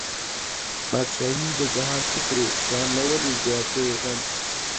بادشاهي د جهان څه کړې، ځان له ولې زیاتی غم